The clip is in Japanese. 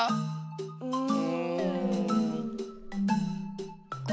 うん。